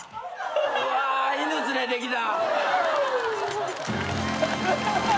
うわあ犬連れてきた。